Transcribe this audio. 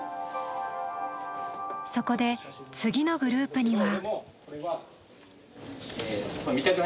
そこで、次のグループには。